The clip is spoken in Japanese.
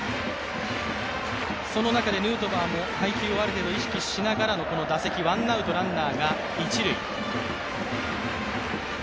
その中でヌートバーも配球をある程度意識しながらのこの打席、ワンアウト、ランナーが一塁。